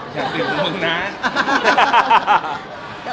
อยากถึงกับมึงนะ